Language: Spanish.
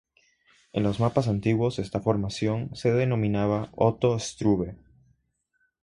En los mapas antiguos esta formación se denominaba "Otto Struve".